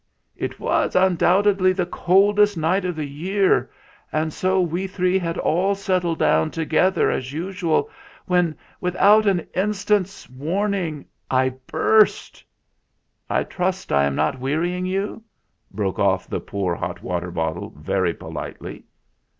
"It was undoubtedly the coldest night of the year, and we three had all settled down to gether as usual, when, without an instant's warning, I burst. ... I trust I am not wearying you?" broke off the poor hot water bottle very politely.